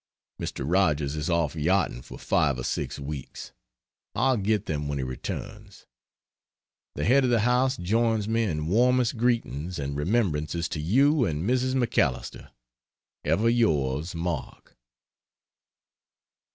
Mr. Rogers is off yachting for 5 or 6 weeks I'll get them when he returns. The head of the house joins me in warmest greetings and remembrances to you and Mrs. MacAlister. Ever yours, Mark.